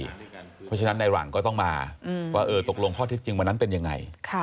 เพราะฉะนั้นในหลังก็ต้องมาว่าตกลงข้อเท็จจริงวันนั้นเป็นยังไง